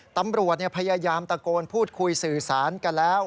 ตำรวจพยายามตะโกนพูดคุยสื่อสารกันแล้ว